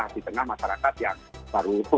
di tengah masyarakat yang baru itu